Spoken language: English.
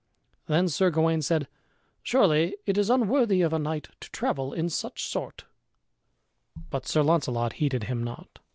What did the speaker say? Then Sir Gawain said, "Surely it is unworthy of a knight to travel in such sort;" but Sir Launcelot heeded him not.